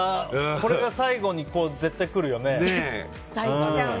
これが最後に絶対くるよね。